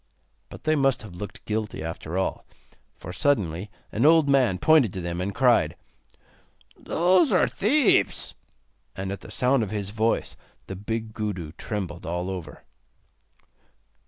But they must have looked guilty after all, for suddenly an old man pointed to them, and cried: 'Those are thieves.' And at the sound of his voice the big Gudu trembled all over.